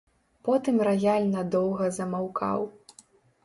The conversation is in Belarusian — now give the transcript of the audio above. Потым раяль надоўга замаўкаў.